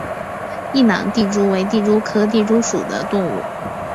异囊地蛛为地蛛科地蛛属的动物。